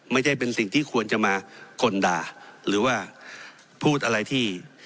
ไม่ใช่เป็นสิ่งที่ควรจะมากลด่าหรือว่าพูดอะไรที่